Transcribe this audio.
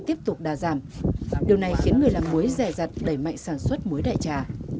tiếp tục đã giảm điều này khiến người làm muối dè dật đẩy mạnh sản xuất muối đại trà